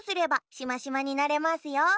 しましまになれますよ。